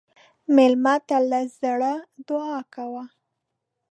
مېلمه ته له زړه دعا کوه.